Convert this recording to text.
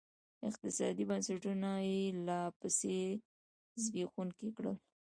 اقتصادي بنسټونه یې لاپسې زبېښونکي کړل.